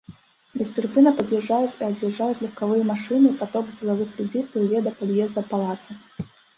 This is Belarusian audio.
Бесперапынна пад'язджаюць і ад'язджаюць легкавыя машыны, паток дзелавых людзей плыве да пад'езда палаца.